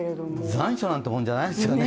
残暑なんてもんじゃないですよね。